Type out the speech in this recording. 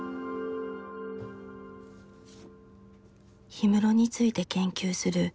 氷室について研究する書評